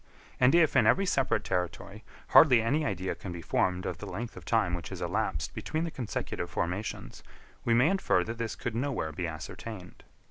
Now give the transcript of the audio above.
And if, in every separate territory, hardly any idea can be formed of the length of time which has elapsed between the consecutive formations, we may infer that this could nowhere be ascertained.